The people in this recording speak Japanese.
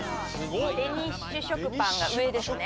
デニッシュ食パンが上ですね。